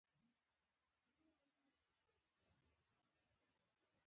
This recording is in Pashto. دوی د طالباني افکارو په رواجولو سره کار کوي